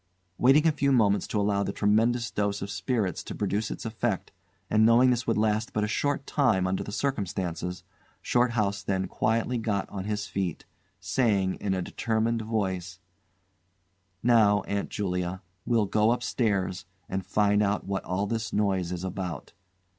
Waiting a few moments to allow the tremendous dose of spirits to produce its effect, and knowing this would last but a short time under the circumstances, Shorthouse then quietly got on his feet, saying in a determined voice "Now, Aunt Julia, we'll go upstairs and find out what all this noise is about.